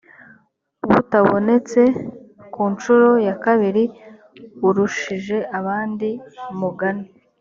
butabonetse ku nshuro ya kabiri urushije abandi mugani